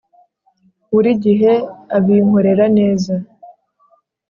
buri gihe abinkorera neza.